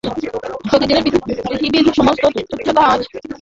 প্রতিদিনের পৃথিবীর সমস্ত তুচ্ছতা আজ অন্তর্হিত হইল।